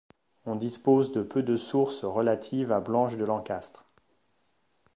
On dispose de peu de sources relatives à Blanche de Lancastre.